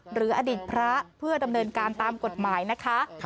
หรืออดีตพระเพื่อดำเนินการตามกฎหมายนะคะ